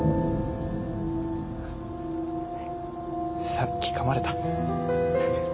さっきかまれた。